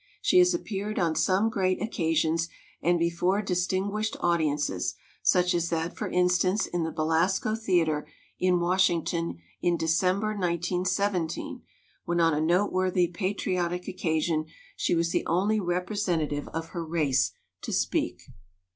She has appeared on some great occasions and before distin guished audiences, such as that for instance in the Belasco Theatre in Washington in December, 1917, when on a noteworthy pa triotic occasion she was the only representa tive of her race to speak.